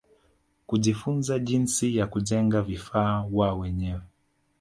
Kujifunza jinsi ya kujenga vifaa wao wenyewe